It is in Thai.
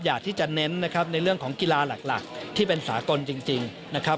อยากที่จะเน้นนะครับในเรื่องของกีฬาหลักที่เป็นสากลจริงนะครับ